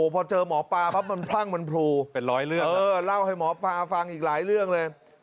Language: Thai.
พอเจอหมอปลาปั๊บมันพลั่งมันพลูเป็นร้อยเรื่องเออเล่าให้หมอปลาฟังอีกหลายเรื่องเลย